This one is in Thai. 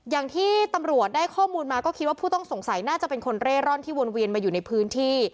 อย่างที่ตำรวจได้ข้อมูลมาก็คิดว่าผู้ต้องสงสัยน่าจะเป็นคนเร่ร่อนที่วนเวียนมาอยู่ในพื้นที่